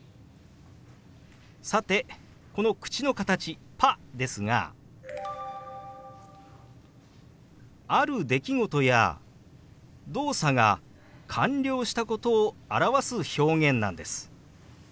さてこの口の形「パ」ですがある出来事や動作が完了したことを表す表現なんです。